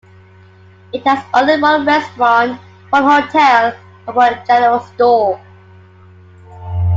It has only one restaurant, one hotel, and one general store.